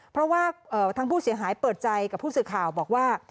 เพราะว่าทางผู้เสียหายเปิดใจกับผู้สื่อข่าวบอกว่า